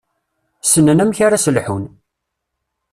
Ssnen amek ara s-lḥun.